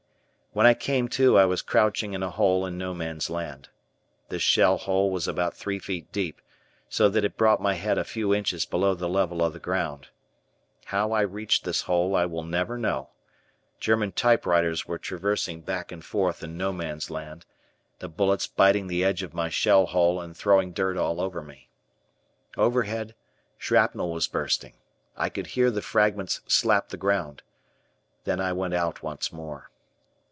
When I came to I was crouching in a hole in No Man's Land. This shell hole was about three feet deep, so that it brought my head a few inches below the level of the ground. How I reached this hole I will never know. German "type writers" were traversing back and forth in No Man's Land, the bullets biting the edge of my shell hole and throwing dirt all over me. Overhead, shrapnel was bursting. I could hear the fragments slap the ground. Then I went out once more.